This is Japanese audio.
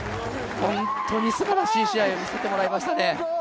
本当にすばらしい試合を見せてもらいましたね。